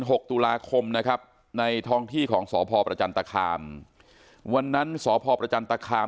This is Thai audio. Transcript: หกตุลาคมนะครับในท้องที่ของสพประจันตคามวันนั้นสพประจันตคาม